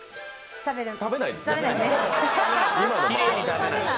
食べないんですね。